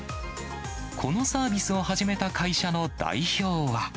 このサービスを始めた会社の代表は。